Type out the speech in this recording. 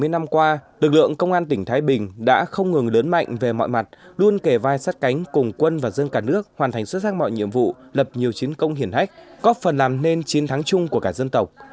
bảy mươi năm qua lực lượng công an tỉnh thái bình đã không ngừng lớn mạnh về mọi mặt luôn kề vai sát cánh cùng quân và dân cả nước hoàn thành xuất sắc mọi nhiệm vụ lập nhiều chiến công hiển hách góp phần làm nên chiến thắng chung của cả dân tộc